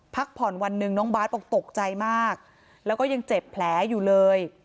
พักผ่อนวันหนึ่งน้องบาทบอกตกใจมากแล้วก็ยังเจ็บแผลอยู่เลย